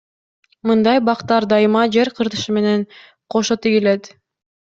Мындай бактар дайыма жер кыртышы менен кошо тигилет.